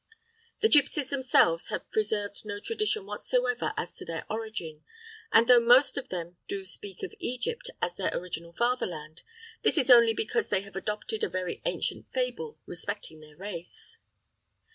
The gipsies themselves have preserved no tradition whatsoever as to their origin, and though most of them do speak of Egypt as their original fatherland, that is only because they have adopted a very ancient fable respecting their race.